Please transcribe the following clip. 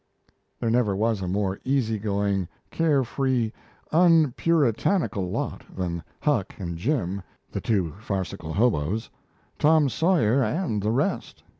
There never was a more easy going, care free, unpuritanical lot than Huck and Jim, the two farcical "hoboes," Tom Sawyer, and the rest.